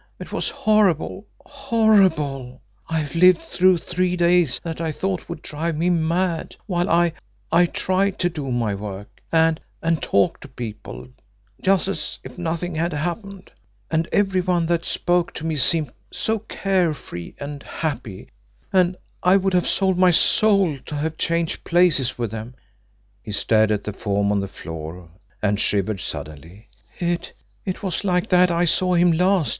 It was horrible, horrible! I've lived through three days that I thought would drive me mad, while I I tried to do my work, and and talk to people, just as if nothing had happened. And every one that spoke to me seemed so carefree and happy, and I would have sold my soul to have changed places with them." He stared at the form on the floor, and shivered suddenly. "It it was like that I saw him last!"